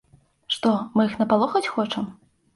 Што, мы іх напалохаць хочам?